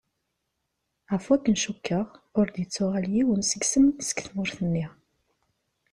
Ɣef wakk-n cukkeɣ, ur d-yettuɣal yiwen seg-sen seg tmurt-nni.